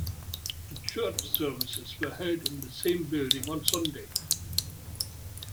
Church services were held in the same building on Sunday.